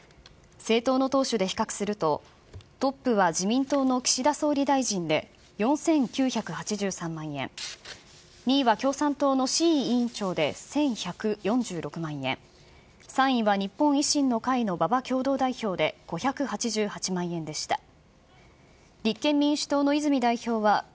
政党の党首で比較すると、トップは自民党の岸田総理大臣で４９８３万円、２位は共産党の志位委員長で１１４６万円、３位は日本維新の会の馬場共同代表で５８８万円でした。